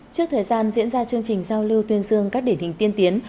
trước thời gian diễn ra chương trình giao lưu tuyên dương các điển hình tiên tiến